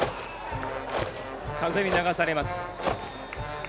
風に流されます。